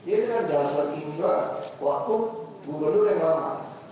ini adalah dasar inilah waktu gubernur yang lama